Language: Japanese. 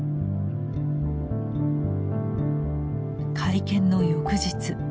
会見の翌日。